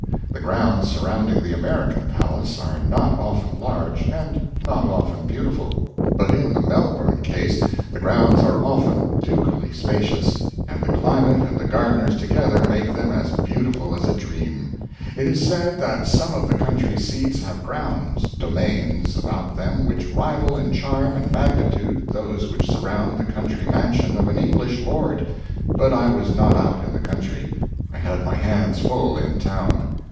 The grounds surrounding the American palace are not often large, and not often beautiful, but in the Melbourne case the grounds are often ducally spacious, and the climate and the gardeners together make them as beautiful as a dream. It is said that some of the country seats have grounds domains about them which rival in charm and magnitude those which surround the country mansion of an English lord; but I was not out in the country; I had my hands full in town.